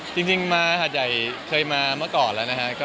จริงมาหาดใหญ่เคยมาเมื่อก่อนแล้วนะฮะ